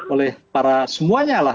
oleh para semuanya lah